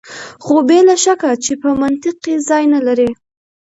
خو بې له شکه چې په منطق کې ځای نه لري.